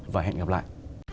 và hẹn gặp lại